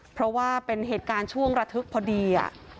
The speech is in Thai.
เพราะว่าเป็นเหตุการณ์ช่วงระทึกพอดี